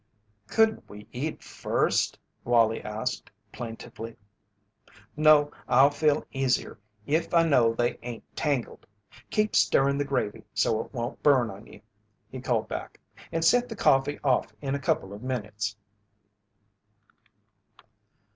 "Couldn't we eat first?" Wallie asked, plaintively. "No, I'll feel easier if I know they ain't tangled. Keep stirrin' the gravy so it won't burn on you," he called back. "And set the coffee off in a couple of minutes."